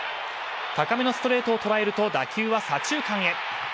高めのストレートを捉えると打球は左中間へ。